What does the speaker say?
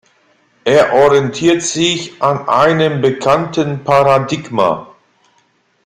Er orientiert sich an einem bekannten Paradigma.